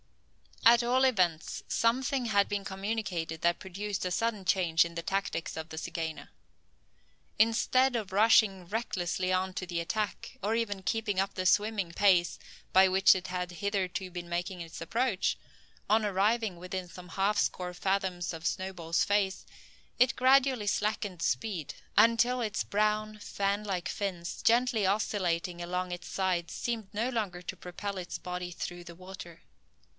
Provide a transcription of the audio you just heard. At all events something had been communicated that produced a sudden change in the tactics of the zygaena. Instead of rushing recklessly on to the attack, or even keeping up the swimming pace by which it had hitherto been making its approach, on arriving within some half score fathoms of Snowball's face, it gradually slackened speed, until its brown, fan like fins, gently oscillating along its sides seemed no longer to propel its body through the water.